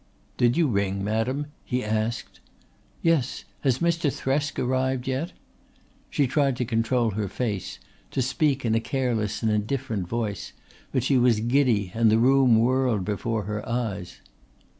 "Did you ring, madam?" he asked. "Yes. Has Mr. Thresk arrived yet?" She tried to control her face, to speak in a careless and indifferent voice, but she was giddy and the room whirled before her eyes.